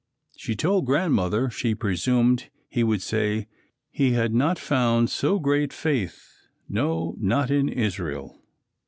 She told Grandmother she presumed he would say "he had not found so great faith, no not in Israel."